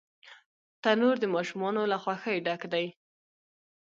تنور د ماشومانو له خوښۍ ډک دی